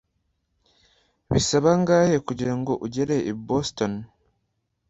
Bisaba angahe kugirango ugere i Boston?